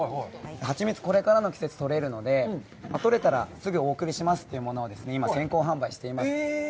ハチミツ、これからの季節、取れるので、取れたら、すぐお送りしますというものを今、先行販売しています。